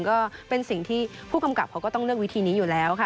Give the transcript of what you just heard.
ก็เป็นสิ่งที่ผู้กำกับเขาก็ต้องเลือกวิธีนี้อยู่แล้วค่ะ